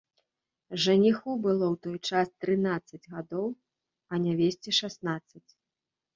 Жаніху было ў той час трынаццаць гадоў, а нявесце шаснаццаць.